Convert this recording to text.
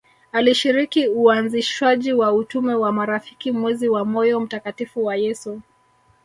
Alishiriki uanzishwaji wa utume wa marafiki mwezi wa moyo mtakatifu wa Yesu